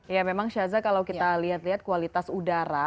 ya memang syaza kalau kita lihat lihat kualitas udara